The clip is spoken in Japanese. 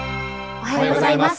おはようございます。